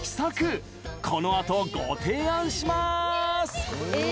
このあと、ご提案します！